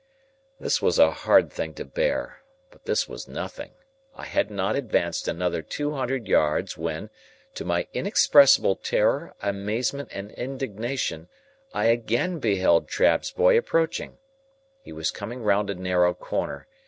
This was a hard thing to bear, but this was nothing. I had not advanced another two hundred yards when, to my inexpressible terror, amazement, and indignation, I again beheld Trabb's boy approaching. He was coming round a narrow corner.